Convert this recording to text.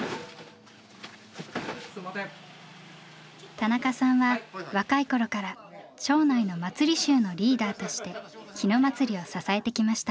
田中さんは若い頃から町内の祭り衆のリーダーとして日野祭を支えてきました。